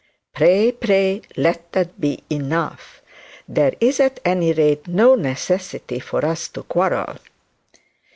Pray, pray, let that be enough; there is at any rage no necessity for us to quarrel.'